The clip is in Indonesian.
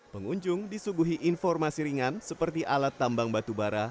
pengunjung disuguhi informasi ringan seperti alat tambang batubara